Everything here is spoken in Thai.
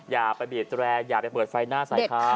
อย่าไปบีดแรงอย่าไปเปิดไฟหน้าใส่เขา